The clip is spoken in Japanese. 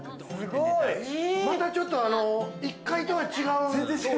また、ちょっと１階とは違う。